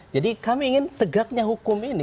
jadi kami ingin tegaknya hukum ini